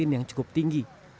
yang cukup tinggi